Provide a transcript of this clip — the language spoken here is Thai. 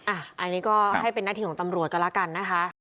อันนี้ก็ให้เป็นหน้าที่ของตำรวจกันแล้วกันนะคะ